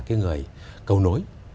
cái người cầu nối